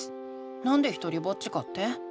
なんでひとりぼっちかって？